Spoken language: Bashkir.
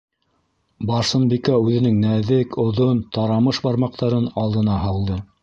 - Барсынбикә үҙенең нәҙек, оҙон, тарамыш бармаҡтарын алдына һалды.